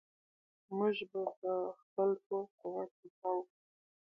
موږ به په خپل ټول قوت دفاع وکړو.